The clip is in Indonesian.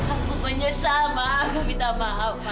aku menyesal ma aku minta maaf ma